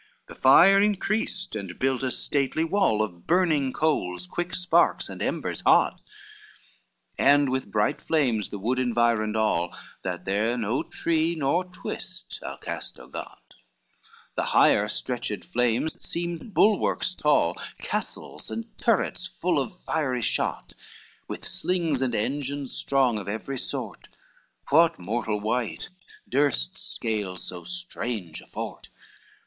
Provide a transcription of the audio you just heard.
XXVII The fire increased, and built a stately wall Of burning coals, quick sparks, and embers hot, And with bright flames the wood environed all, That there no tree nor twist Alcasto got; The higher stretched the flames seemed bulwarks tall, Castles and turrets full of fiery shot, With slings and engines strong of every sort;— What mortal wight durst scale so strange a fort?